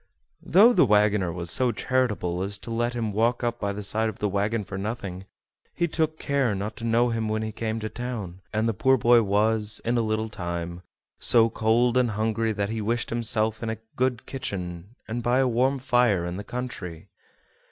Though the wagoner was so charitable as to let him walk up by the side of the wagon for nothing, he took care not to know him when he came to town, and the poor boy was, in a little time, so cold and hungry that he wished himself in a good kitchen and by a warm fire in the country.